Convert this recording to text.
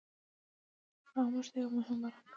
هغه موږ ته يوه مهمه خبره کړې وه.